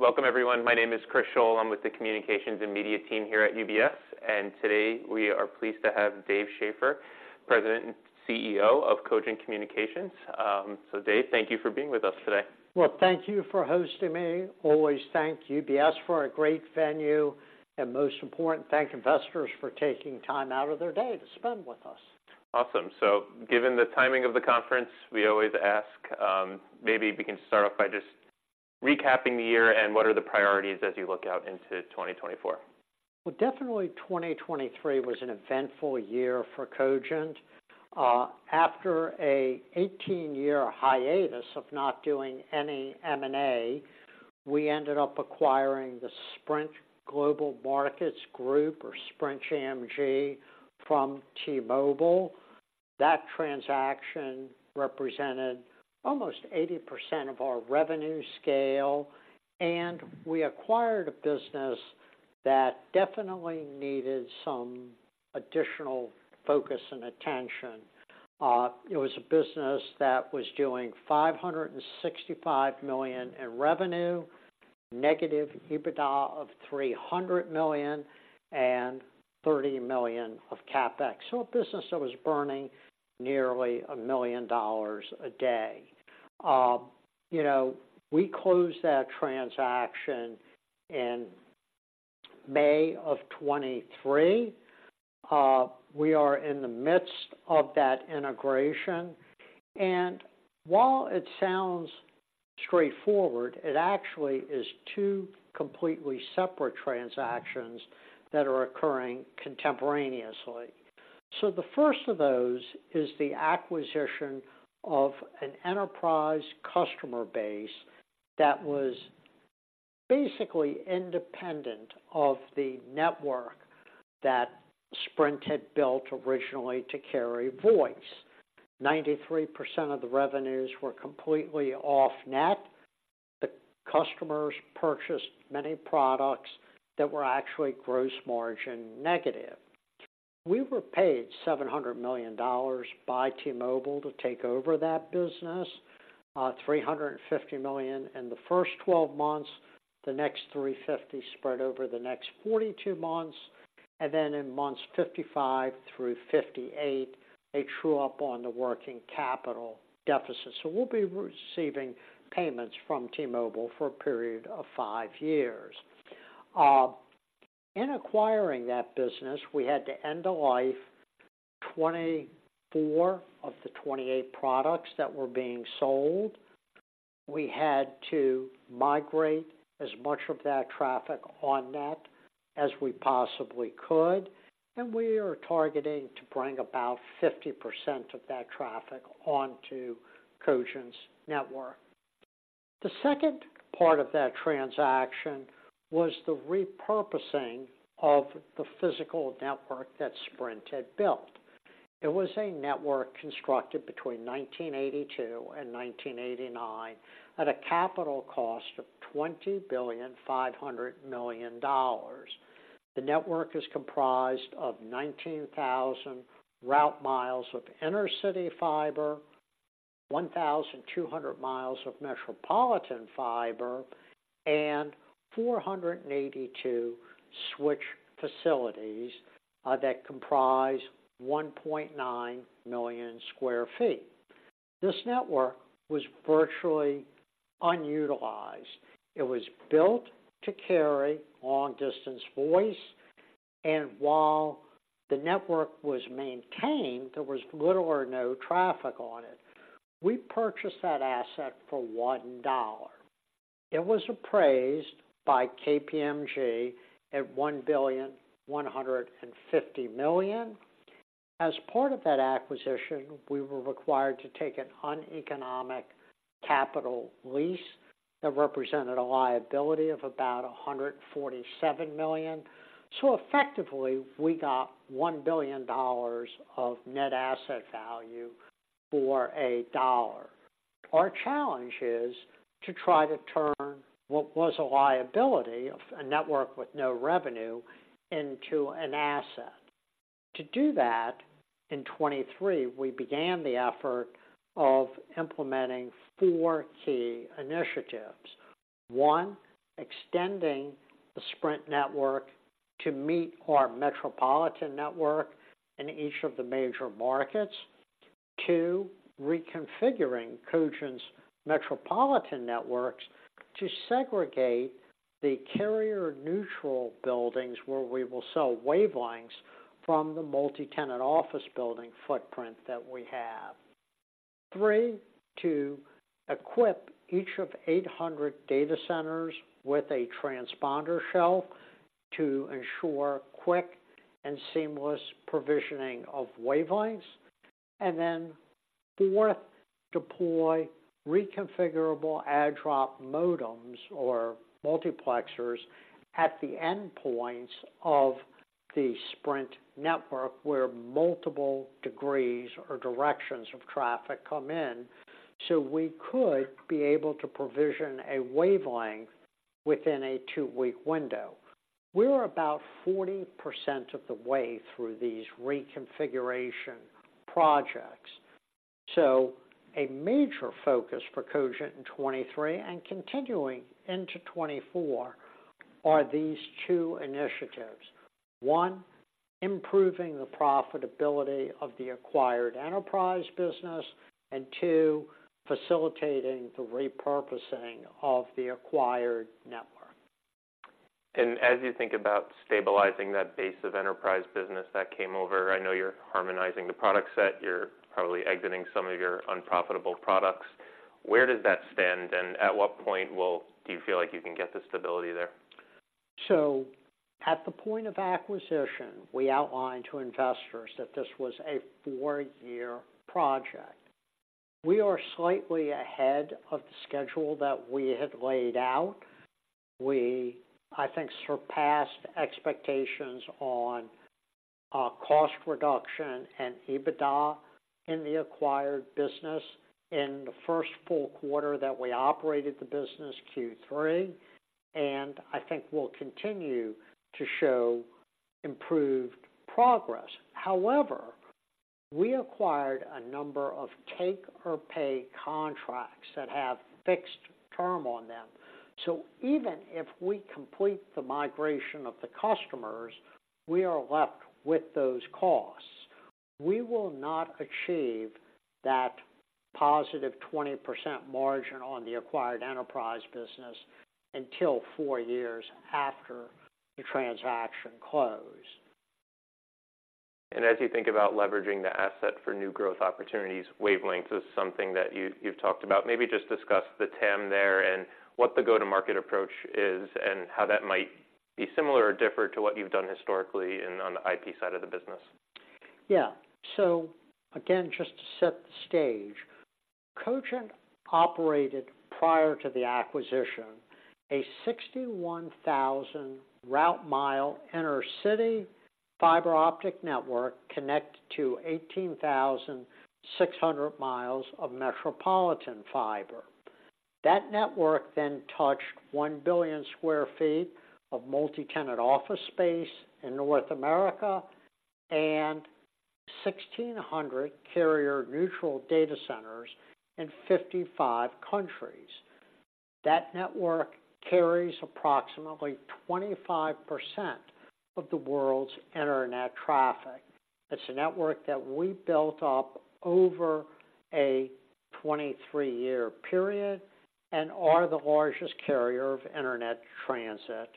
Welcome, everyone. My name is Chris Schoell. I'm with the communications and media team here at UBS, and today we are pleased to have Dave Schaeffer, President and CEO of Cogent Communications. So Dave, thank you for being with us today. Well, thank you for hosting me. Always thank UBS for a great venue, and most important, thank investors for taking time out of their day to spend with us. Awesome. So given the timing of the conference, we always ask, maybe we can start off by just recapping the year and what are the priorities as you look out into 2024. Well, definitely 2023 was an eventful year for Cogent. After an 18-year hiatus of not doing any M&A, we ended up acquiring the Sprint Global Markets Group or Sprint GMG, from T-Mobile. That transaction represented almost 80% of our revenue scale, and we acquired a business that definitely needed some additional focus and attention. It was a business that was doing $565 million in revenue, negative EBITDA of $300 million, and $30 million of CapEx. So a business that was burning nearly $1 million a day. You know, we closed that transaction in May 2023. We are in the midst of that integration, and while it sounds straightforward, it actually is two completely separate transactions that are occurring contemporaneously. The first of those is the acquisition of an enterprise customer base that was basically independent of the network that Sprint had built originally to carry voice. 93% of the revenues were completely Off-Net. The customers purchased many products that were actually gross margin negative. We were paid $700 million by T-Mobile to take over that business, $350 million in the first 12 months, the next $350 million spread over the next 42 months, and then in months 55 through 58, a true-up on the working capital deficit. So we'll be receiving payments from T-Mobile for a period of 5 years. In acquiring that business, we had to end the life of 24 of the 28 products that were being sold. We had to migrate as much of that traffic on-net as we possibly could, and we are targeting to bring about 50% of that traffic onto Cogent's network. The second part of that transaction was the repurposing of the physical network that Sprint had built. It was a network constructed between 1982 and 1989, at a capital cost of $20.5 billion. The network is comprised of 19,000 route miles of innercity fiber, 1,200 miles of metropolitan fiber, and 482 switch facilities that comprise 1.9 million sq ft. This network was virtually unutilized. It was built to carry long-distance voice, and while the network was maintained, there was little or no traffic on it. We purchased that asset for $1. It was appraised by KPMG at $1.15 billion. As part of that acquisition, we were required to take an uneconomic capital lease that represented a liability of about $147 million. So effectively, we got $1 billion of net asset value for a dollar. Our challenge is to try to turn what was a liability of a network with no revenue into an asset. To do that, in 2023, we began the effort of implementing four key initiatives. One, extending the Sprint network to meet our metropolitan network in each of the major markets. Two, reconfiguring Cogent's metropolitan networks to segregate the carrier-neutral buildings where we will sell wavelengths from the multi-tenant office building footprint that we have. Three, to equip each of 800 data centers with a transponder shelf to ensure quick and seamless provisioning of wavelengths. Then fourth, deploy reconfigurable add-drop modems or multiplexers at the endpoints of the Sprint network, where multiple degrees or directions of traffic come in. So we could be able to provision a wavelength within a two-week window. We're about 40% of the way through these reconfiguration projects. So a major focus for Cogent in 2023, and continuing into 2024, are these two initiatives: one, improving the profitability of the acquired enterprise business, and two, facilitating the repurposing of the acquired network. As you think about stabilizing that base of enterprise business that came over, I know you're harmonizing the product set. You're probably exiting some of your unprofitable products. Where does that stand, and at what point do you feel like you can get the stability there? So at the point of acquisition, we outlined to investors that this was a four-year project. We are slightly ahead of the schedule that we had laid out. We, I think, surpassed expectations on cost reduction and EBITDA in the acquired business in the first full quarter that we operated the business, Q3, and I think we'll continue to show improved progress. However, we acquired a number of take or pay contracts that have fixed term on them, so even if we complete the migration of the customers, we are left with those costs. We will not achieve that positive 20% margin on the acquired enterprise business until four years after the transaction closed. As you think about leveraging the asset for new growth opportunities, Wavelength is something that you, you've talked about. Maybe just discuss the TAM there and what the go-to-market approach is, and how that might be similar or different to what you've done historically in, on the IP side of the business. Yeah. So again, just to set the stage, Cogent operated prior to the acquisition a 61,000 route mile innercity fiber-optic network connected to 18,600 miles of metropolitan fiber. That network then touched 1 billion sq ft of multi-tenant office space in North America and 1,600 carrier-neutral data centers in 55 countries. That network carries approximately 25% of the world's internet traffic. It's a network that we built up over a 23-year period and are the largest carrier of internet transit,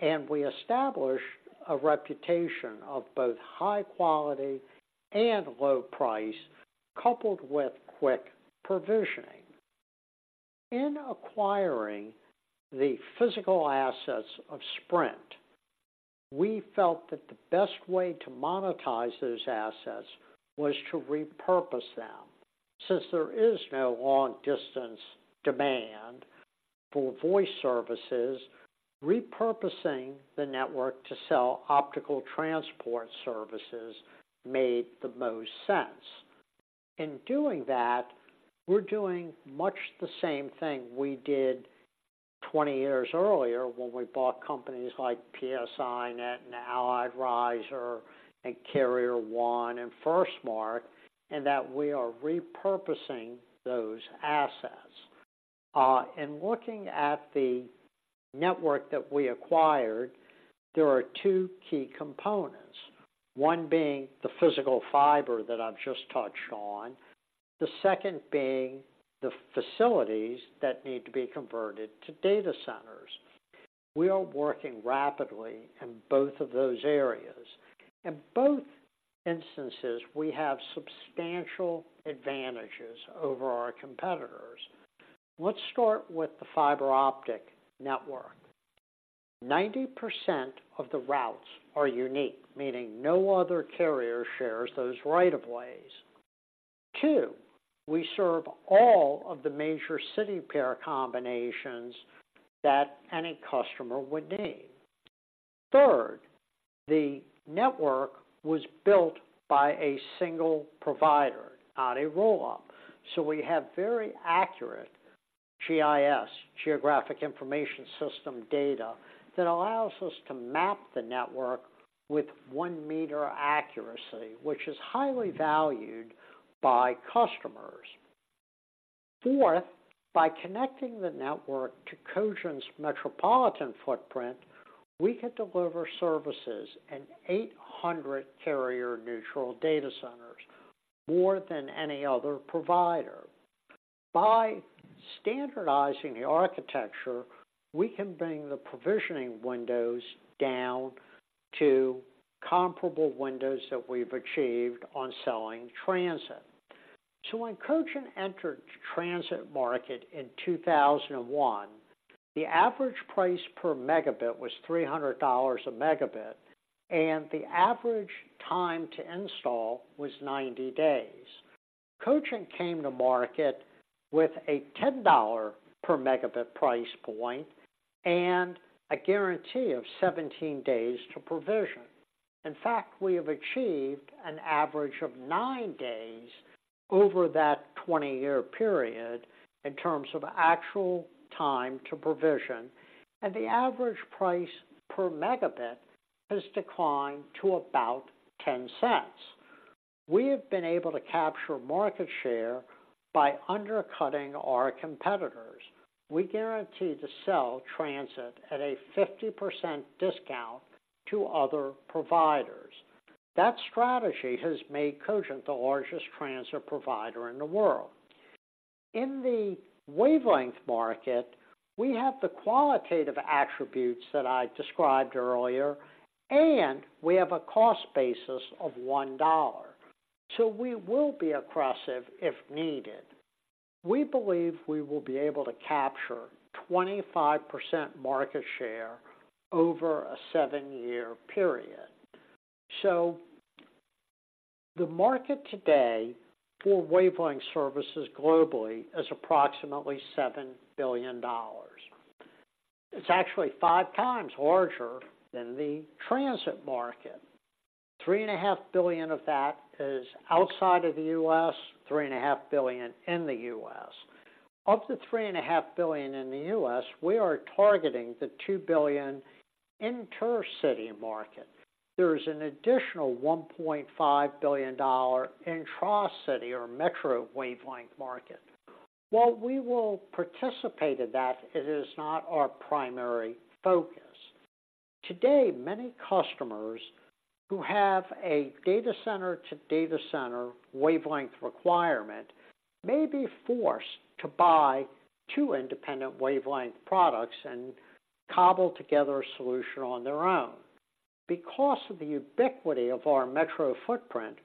and we established a reputation of both high quality and low price, coupled with quick provisioning. In acquiring the physical assets of Sprint, we felt that the best way to monetize those assets was to repurpose them. Since there is no long distance demand for voice services, repurposing the network to sell optical transport services made the most sense. In doing that, we're doing much the same thing we did 20 years earlier when we bought companies like PSINet and Allied Riser and Carrier1 and FirstMark, in that we are repurposing those assets. In looking at the network that we acquired, there are two key components. One being the physical fiber that I've just touched on, the second being the facilities that need to be converted to data centers. We are working rapidly in both of those areas. In both instances, we have substantial advantages over our competitors. Let's start with the fiber optic network. 90% of the routes are unique, meaning no other carrier shares those right of ways. Two, we serve all of the major city pair combinations that any customer would need. Third, the network was built by a single provider, not a roll-up. So we have very accurate GIS, Geographic Information System, data that allows us to map the network with 1 meter accuracy, which is highly valued by customers. Fourth, by connecting the network to Cogent's metropolitan footprint, we can deliver services in 800 carrier-neutral data centers, more than any other provider. By standardizing the architecture, we can bring the provisioning windows down to comparable windows that we've achieved on selling transit. So when Cogent entered the transit market in 2001, the average price per megabit was $300 a megabit, and the average time to install was 90 days. Cogent came to market with a $10 per megabit price point and a guarantee of 17 days to provision. In fact, we have achieved an average of 9 days over that 20-year period in terms of actual time to provision, and the average price per megabit-... has declined to about 10 cents. We have been able to capture market share by undercutting our competitors. We guarantee to sell transit at a 50% discount to other providers. That strategy has made Cogent the largest transit provider in the world. In the wavelength market, we have the qualitative attributes that I described earlier, and we have a cost basis of $1, so we will be aggressive if needed. We believe we will be able to capture 25% market share over a 7-year period. So the market today for wavelength services globally is approximately $7 billion. It's actually five times larger than the transit market. $3.5 billion of that is outside of the U.S., $3.5 billion in the U.S. Of the $3.5 billion in the U.S., we are targeting the $2 billion intercity market. There is an additional $1.5 billion intra-city or metro wavelength market. While we will participate in that, it is not our primary focus. Today, many customers who have a data center to data center wavelength requirement may be forced to buy two independent wavelength products and cobble together a solution on their own. Because of the ubiquity of our metro footprint,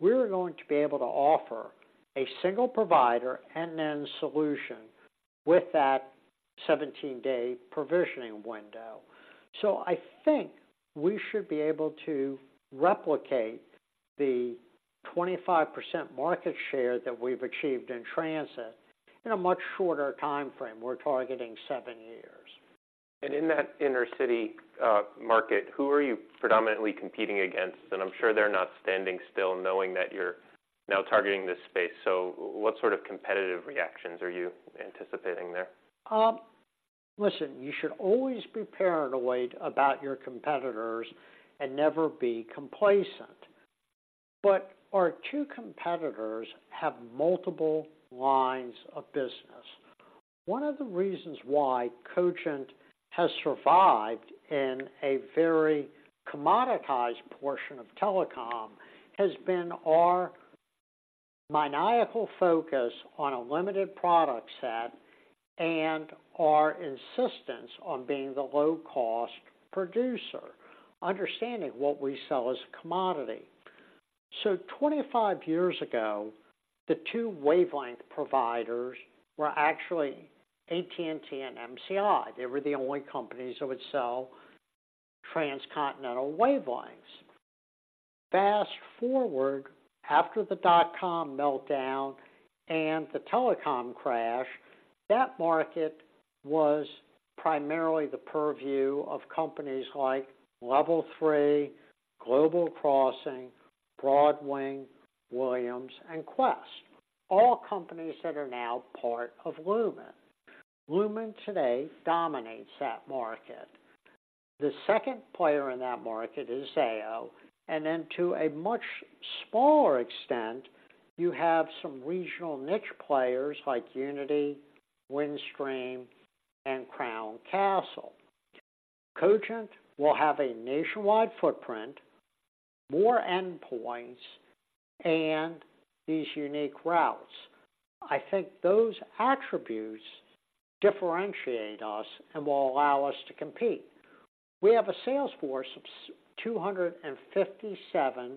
we're going to be able to offer a single provider, end-to-end solution with that 17-day provisioning window. So I think we should be able to replicate the 25% market share that we've achieved in transit in a much shorter timeframe. We're targeting 7 years In that innercity market, who are you predominantly competing against? I'm sure they're not standing still knowing that you're now targeting this space. What sort of competitive reactions are you anticipating there? Listen, you should always be paranoid about your competitors and never be complacent. But our two competitors have multiple lines of business. One of the reasons why Cogent has survived in a very commoditized portion of telecom has been our maniacal focus on a limited product set and our insistence on being the low-cost producer, understanding what we sell as a commodity. So 25 years ago, the two wavelength providers were actually AT&T and MCI. They were the only companies that would sell transcontinental wavelengths. Fast forward, after the dotcom meltdown and the telecom crash, that market was primarily the purview of companies like Level 3, Global Crossing, Broadwing, Williams, and Qwest, all companies that are now part of Lumen. Lumen today dominates that market. The second player in that market is Zayo, and then to a much smaller extent, you have some regional niche players like Uniti, Windstream, and Crown Castle. Cogent will have a nationwide footprint, more endpoints, and these unique routes. I think those attributes differentiate us and will allow us to compete. We have a sales force of 257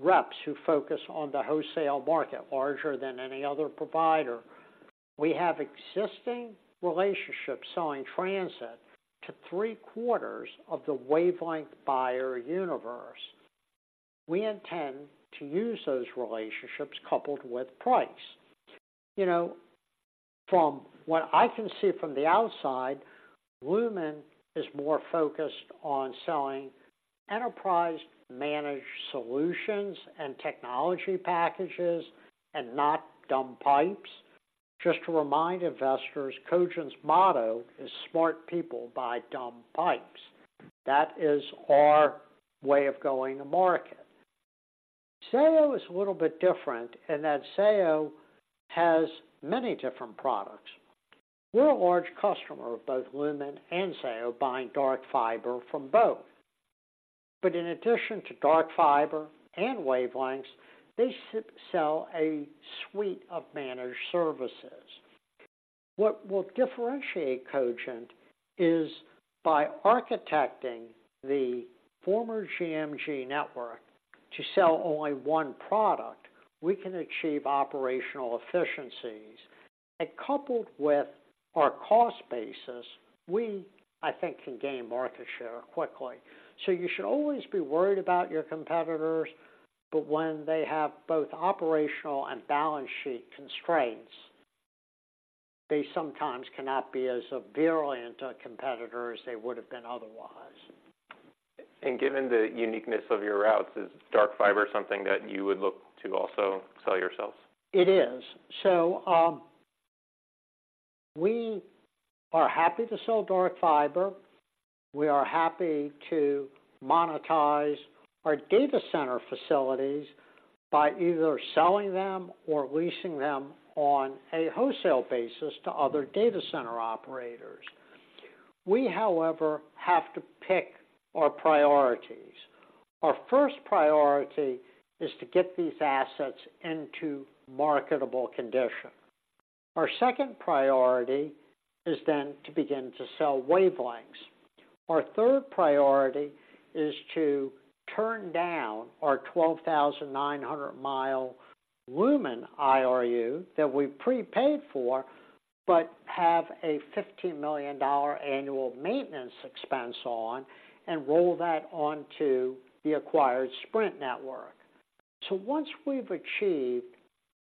reps who focus on the wholesale market, larger than any other provider. We have existing relationships selling transit to three-quarters of the wavelength buyer universe. We intend to use those relationships coupled with price. You know, from what I can see from the outside, Lumen is more focused on selling enterprise managed solutions and technology packages and not dumb pipes. Just to remind investors, Cogent's motto is: "Smart people buy dumb pipes." That is our way of going to market. Zayo is a little bit different in that Zayo has many different products. We're a large customer of both Lumen and Zayo, buying dark fiber from both. But in addition to dark fiber and wavelengths, they sell a suite of managed services. What will differentiate Cogent is by architecting the former GMG network to sell only one product, we can achieve operational efficiencies, and coupled with our cost basis, we, I think, can gain market share quickly. So you should always be worried about your competitors, but when they have both operational and balance sheet constraints, they sometimes cannot be as a virulent a competitor as they would have been otherwise. Given the uniqueness of your routes, is Dark Fiber something that you would look to also sell yourselves? It is. So, we are happy to sell dark fiber. We are happy to monetize our data center facilities by either selling them or leasing them on a wholesale basis to other data center operators. We, however, have to pick our priorities. Our first priority is to get these assets into marketable condition. Our second priority is then to begin to sell wavelengths. Our third priority is to turn down our 12,900-mile Lumen IRU that we prepaid for, but have a $15 million annual maintenance expense on, and roll that onto the acquired Sprint network. So once we've achieved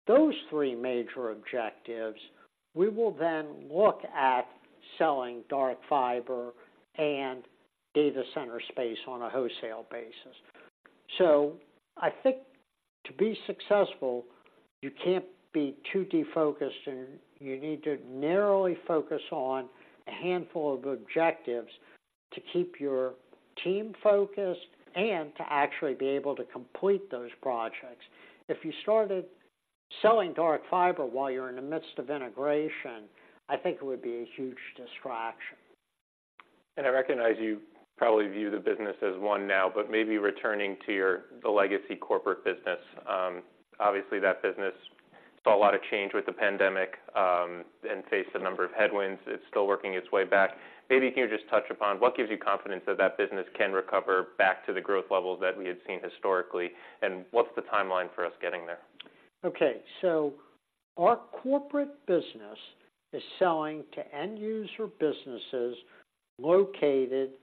those three major objectives, we will then look at selling dark fiber and data center space on a wholesale basis. I think to be successful, you can't be too defocused, and you need to narrowly focus on a handful of objectives to keep your team focused and to actually be able to complete those projects. If you started selling dark fiber while you're in the midst of integration, I think it would be a huge distraction. I recognize you probably view the business as one now, but maybe returning to you, the legacy corporate business. Obviously, that business saw a lot of change with the pandemic, and faced a number of headwinds. It's still working its way back. Maybe can you just touch upon what gives you confidence that that business can recover back to the growth levels that we had seen historically? And what's the timeline for us getting there? Okay, so our corporate business is selling to end user businesses located in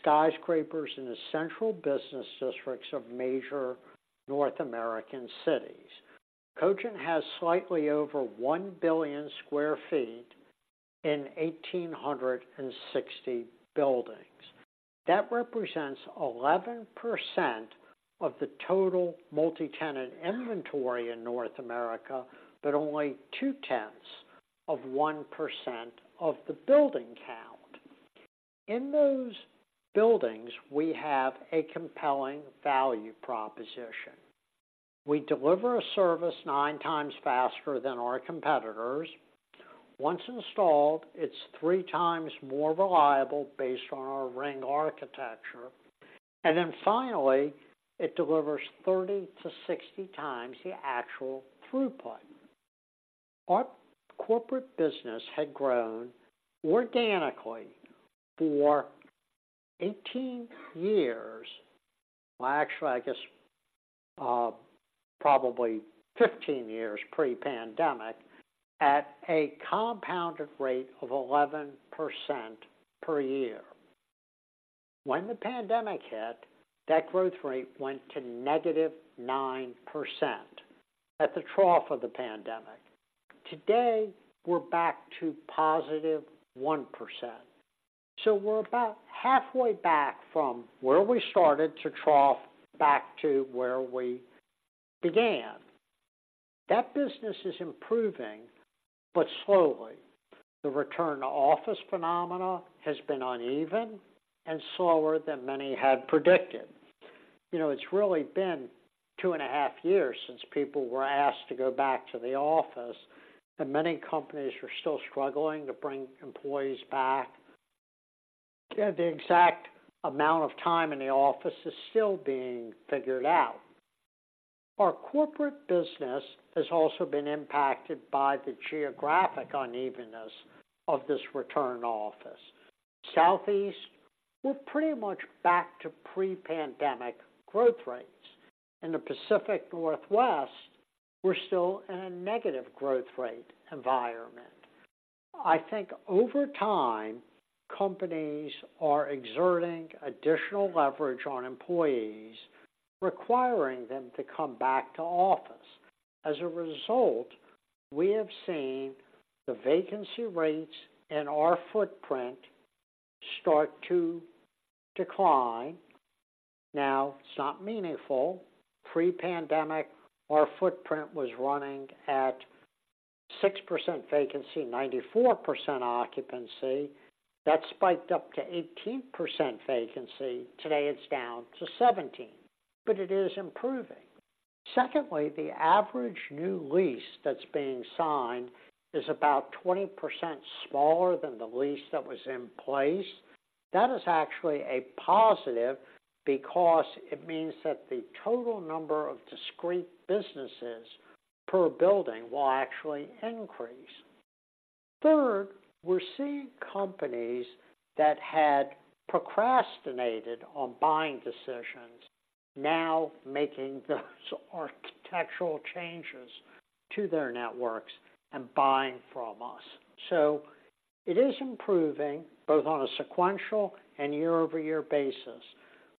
skyscrapers in the central business districts of major North American cities. Cogent has slightly over 1 billion sq ft in 1,860 buildings. That represents 11% of the total multi-tenant inventory in North America, but only 0.2% of the building count. In those buildings, we have a compelling value proposition. We deliver a service 9 times faster than our competitors. Once installed, it's 3 times more reliable based on our ring architecture, and then finally, it delivers 30-60 times the actual throughput. Our corporate business had grown organically for 18 years. Well, actually, I guess, probably 15 years pre-pandemic, at a compounded rate of 11% per year. When the pandemic hit, that growth rate went to -9% at the trough of the pandemic. Today, we're back to positive 1%. So we're about halfway back from where we started to trough, back to where we began. That business is improving, but slowly. The return to office phenomena has been uneven and slower than many had predicted. You know, it's really been two and a half years since people were asked to go back to the office, and many companies are still struggling to bring employees back, and the exact amount of time in the office is still being figured out. Our corporate business has also been impacted by the geographic unevenness of this return to office. Southeast, we're pretty much back to pre-pandemic growth rates. In the Pacific Northwest, we're still in a negative growth rate environment. I think over time, companies are exerting additional leverage on employees, requiring them to come back to office. As a result, we have seen the vacancy rates in our footprint start to decline. Now, it's not meaningful. Pre-pandemic, our footprint was running at 6% vacancy, 94% occupancy. That spiked up to 18% vacancy. Today, it's down to 17%, but it is improving. Secondly, the average new lease that's being signed is about 20% smaller than the lease that was in place. That is actually a positive, because it means that the total number of discrete businesses per building will actually increase. Third, we're seeing companies that had procrastinated on buying decisions now making those architectural changes to their networks and buying from us. So it is improving, both on a sequential and year-over-year basis,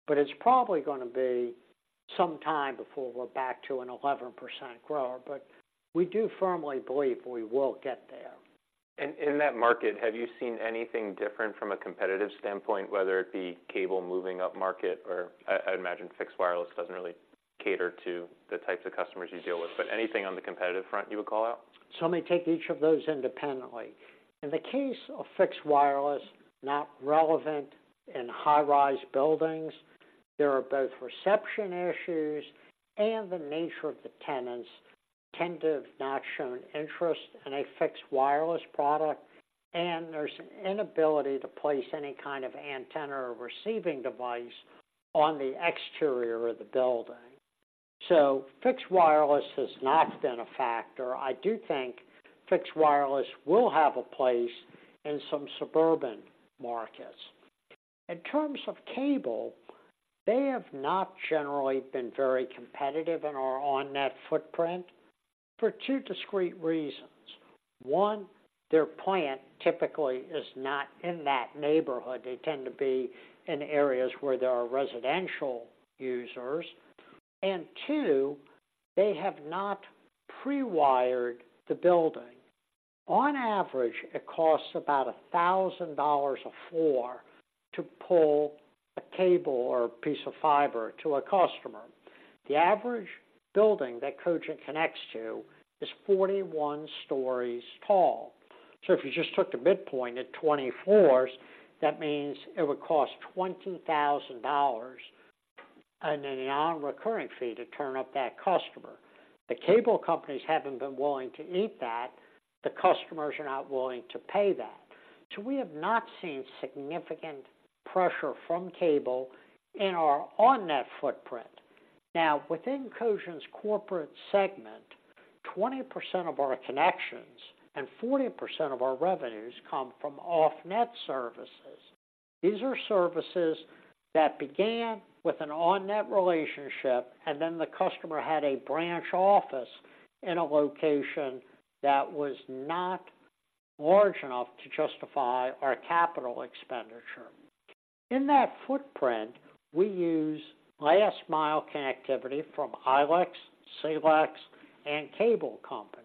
but it's probably going to be some time before we're back to an 11% grower, but we do firmly believe we will get there. ... In that market, have you seen anything different from a competitive standpoint, whether it be cable moving upmarket or I, I'd imagine fixed wireless doesn't really cater to the types of customers you deal with, but anything on the competitive front you would call out? So let me take each of those independently. In the case of fixed wireless, not relevant in high-rise buildings, there are both reception issues and the nature of the tenants tend to have not shown interest in a fixed wireless product, and there's an inability to place any kind of antenna or receiving device on the exterior of the building. So fixed wireless has not been a factor. I do think fixed wireless will have a place in some suburban markets. In terms of cable, they have not generally been very competitive in our On-Net footprint for two discrete reasons: one, their plant typically is not in that neighborhood. They tend to be in areas where there are residential users. And two, they have not pre-wired the building. On average, it costs about $1,000 a floor to pull a cable or a piece of fiber to a customer. The average building that Cogent connects to is 41 stories tall. So if you just took the midpoint at 20 floors, that means it would cost $20,000 and a non-recurring fee to turn up that customer. The cable companies haven't been willing to eat that. The customers are not willing to pay that. So we have not seen significant pressure from cable in our on-net footprint. Now, within Cogent's corporate segment, 20% of our connections and 40% of our revenues come from off-net services. These are services that began with an on-net relationship, and then the customer had a branch office in a location that was not large enough to justify our capital expenditure. In that footprint, we use last mile connectivity from ILEC, CLEC, and cable companies.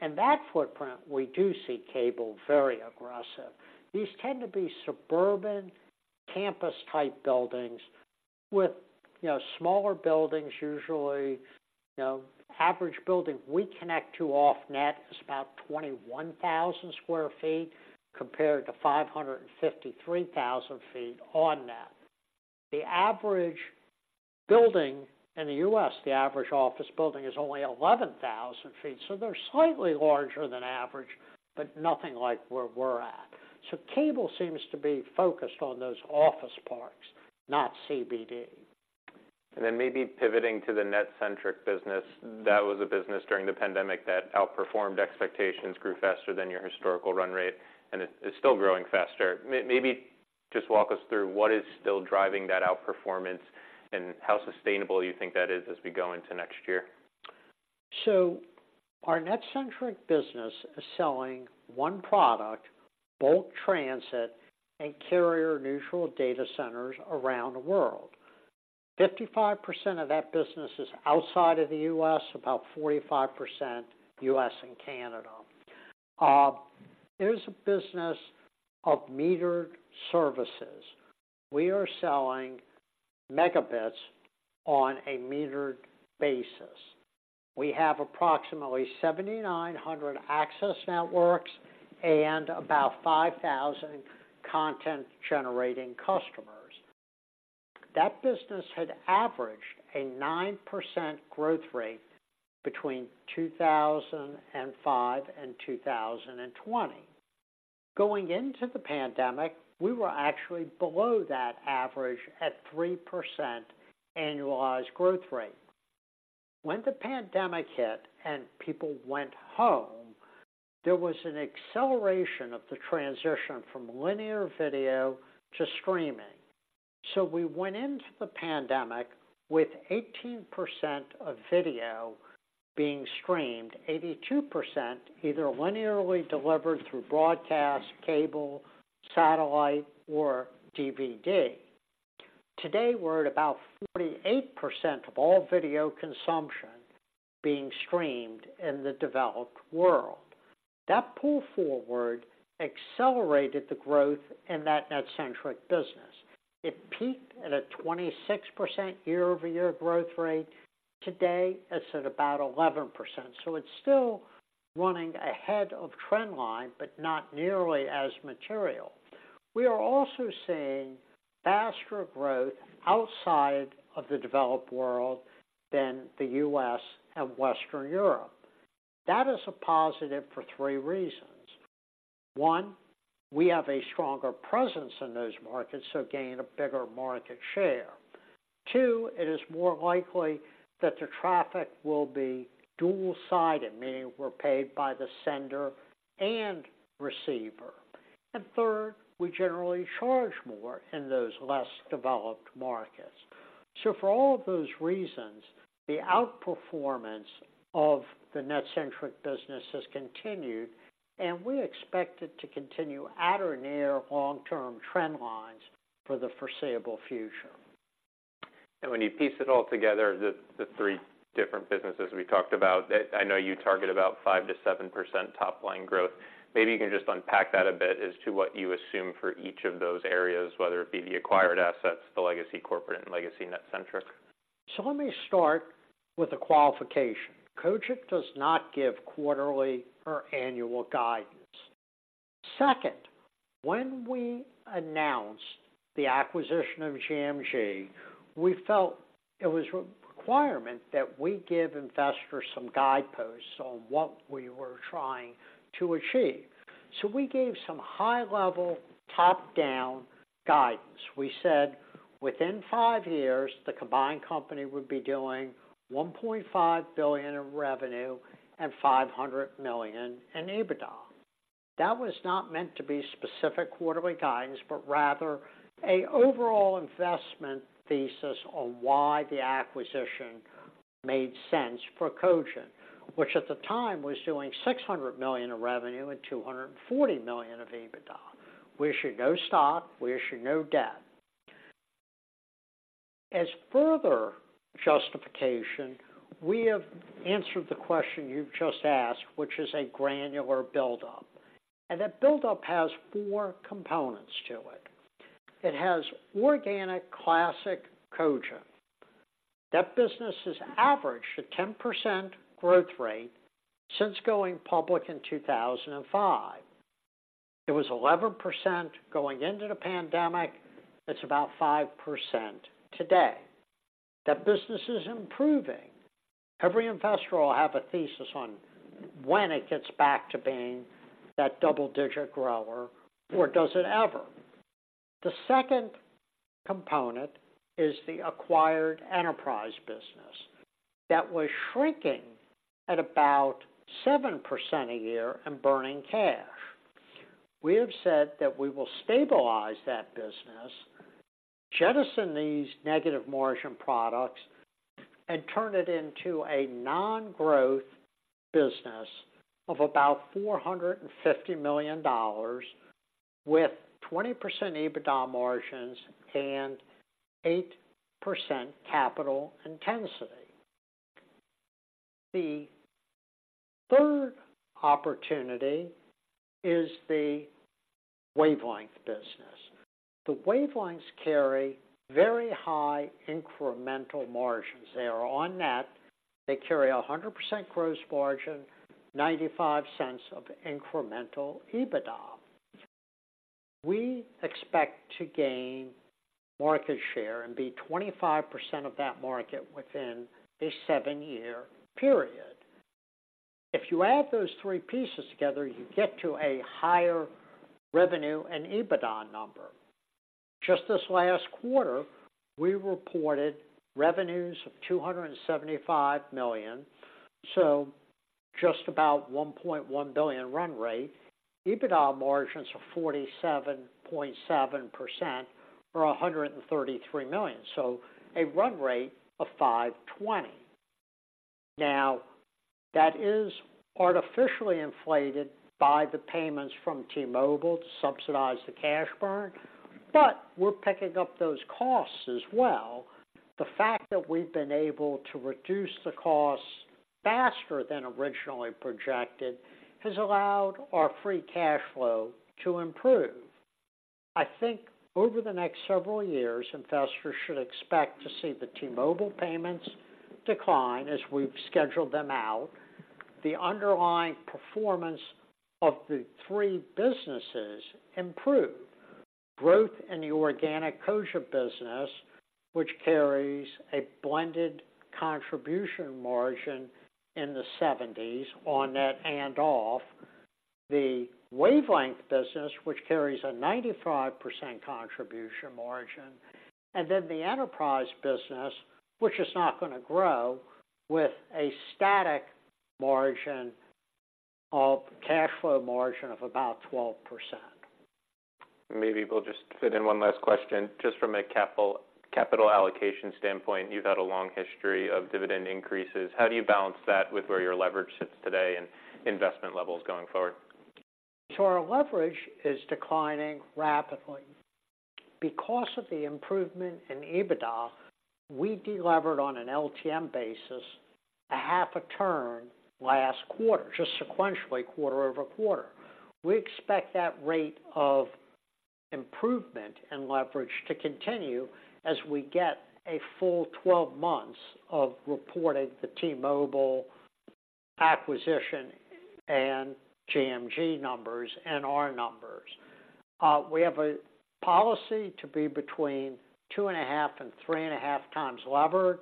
In that footprint, we do see cable very aggressive. These tend to be suburban, campus-type buildings with, you know, smaller buildings. Usually, you know, average building we connect to off-net is about 21,000 sq ft, compared to 553,000 feet on-net. The average building in the U.S., the average office building is only 11,000 feet, so they're slightly larger than average, but nothing like where we're at. So cable seems to be focused on those office parks, not CBD. And then maybe pivoting to the NetCentric business. That was a business during the pandemic that outperformed expectations, grew faster than your historical run rate, and it's still growing faster. Maybe just walk us through what is still driving that outperformance and how sustainable you think that is as we go into next year. So our NetCentric business is selling one product, bulk transit, and carrier-neutral data centers around the world. 55% of that business is outside of the U.S., about 45% U.S. and Canada. It is a business of metered services. We are selling megabits on a metered basis. We have approximately 7,900 access networks and about 5,000 content-generating customers. That business had averaged a 9% growth rate between 2005 and 2020. Going into the pandemic, we were actually below that average at 3% annualized growth rate. When the pandemic hit and people went home, there was an acceleration of the transition from linear video to streaming. So we went into the pandemic with 18% of video being streamed, 82% either linearly delivered through broadcast, cable, satellite, or DVD. Today, we're at about 48% of all video consumption being streamed in the developed world. That pull forward accelerated the growth in that NetCentric business. It peaked at a 26% year-over-year growth rate. Today, it's at about 11%, so it's still running ahead of trend line, but not nearly as material. We are also seeing faster growth outside of the developed world than the U.S. and Western Europe. That is a positive for three reasons: one, we have a stronger presence in those markets, so gaining a bigger market share. Two, it is more likely that the traffic will be dual-sided, meaning we're paid by the sender and receiver. And third, we generally charge more in those less developed markets. For all of those reasons, the outperformance of the NetCentric business has continued, and we expect it to continue at or near long-term trend lines for the foreseeable future.... when you piece it all together, the three different businesses we talked about, I know you target about 5%-7% top line growth. Maybe you can just unpack that a bit as to what you assume for each of those areas, whether it be the acquired assets, the legacy corporate, and legacy NetCentric. So let me start with a qualification. Cogent does not give quarterly or annual guidance. Second, when we announced the acquisition of GMG, we felt it was a requirement that we give investors some guideposts on what we were trying to achieve. So we gave some high-level, top-down guidance. We said, within five years, the combined company would be doing $1.5 billion in revenue and $500 million in EBITDA. That was not meant to be specific quarterly guidance, but rather an overall investment thesis on why the acquisition made sense for Cogent, which at the time was doing $600 million of revenue and $240 million of EBITDA. We issued no stock, we issued no debt. As further justification, we have answered the question you've just asked, which is a granular buildup, and that buildup has four components to it. It has organic, classic Cogent. That business has averaged a 10% growth rate since going public in 2005. It was 11% going into the pandemic, it's about 5% today. That business is improving. Every investor will have a thesis on when it gets back to being that double-digit grower, or does it ever? The second component is the acquired enterprise business that was shrinking at about 7% a year and burning cash. We have said that we will stabilize that business, jettison these negative margin products, and turn it into a non-growth business of about $450 million, with 20% EBITDA margins and 8% capital intensity. The third opportunity is the wavelength business. The wavelengths carry very high incremental margins. They are On-Net. They carry 100% gross margin, $0.95 of incremental EBITDA. We expect to gain market share and be 25% of that market within a 7-year period. If you add those three pieces together, you get to a higher revenue and EBITDA number. Just this last quarter, we reported revenues of $275 million, so just about $1.1 billion run rate. EBITDA margins are 47.7% or $133 million, so a run rate of $520 million. Now, that is artificially inflated by the payments from T-Mobile to subsidize the cash burn, but we're picking up those costs as well. The fact that we've been able to reduce the costs faster than originally projected has allowed our free cash flow to improve. I think over the next several years, investors should expect to see the T-Mobile payments decline as we've scheduled them out, the underlying performance of the three businesses improve. Growth in the organic Cogent business, which carries a blended contribution margin in the 70s on-net and off-net, the wavelength business, which carries a 95% contribution margin, and then the enterprise business, which is not going to grow, with a static margin of-- cash flow margin of about 12%. Maybe we'll just fit in one last question. Just from a capital, capital allocation standpoint, you've had a long history of dividend increases. How do you balance that with where your leverage sits today and investment levels going forward? Our leverage is declining rapidly. Because of the improvement in EBITDA, we delevered on an LTM basis 0.5 turn last quarter, just sequentially, quarter-over-quarter. We expect that rate of improvement in leverage to continue as we get a full 12 months of reporting the T-Mobile acquisition and GMG numbers and our numbers. We have a policy to be between 2.5 and 3.5 times levered.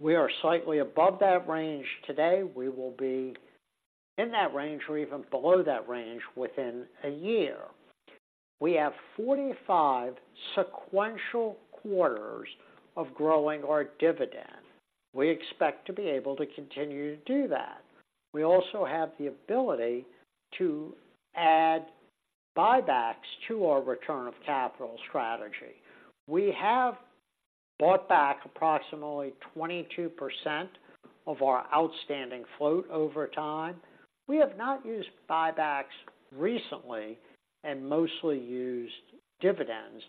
We are slightly above that range today. We will be in that range or even below that range within a year. We have 45 sequential quarters of growing our dividend. We expect to be able to continue to do that. We also have the ability to add buybacks to our return of capital strategy. We have bought back approximately 22% of our outstanding float over time. We have not used buybacks recently and mostly used dividends,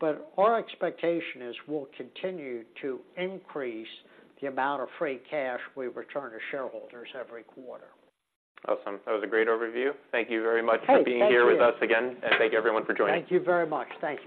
but our expectation is we'll continue to increase the amount of free cash we return to shareholders every quarter. Awesome. That was a great overview. Thank you very much- Hey, thank you.. For being here with us again, and thank you everyone for joining. Thank you very much. Thank you.